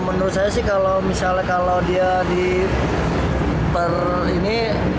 menurut saya sih kalau misalnya kalau dia diper ini